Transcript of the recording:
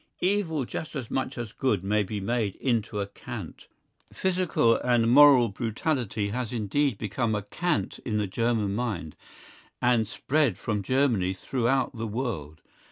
Evil just as much as good may be made into a Cant. Physical and moral brutality has indeed become a cant in the German mind, and spread from Germany throughout the world.